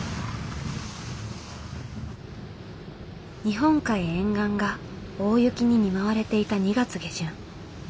日本海沿岸が大雪に見舞われていた２月下旬。